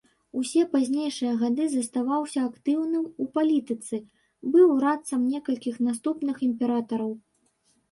Усе пазнейшыя гады заставаўся актыўным у палітыцы, быў радцам некалькіх наступных імператараў.